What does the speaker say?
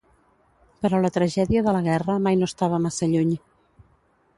Però la tragèdia de la guerra mai no estava massa lluny.